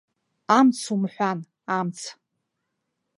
Амц умҳәан, амц!